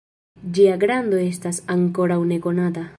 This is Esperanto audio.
Ĝia grando estas ankoraŭ nekonata.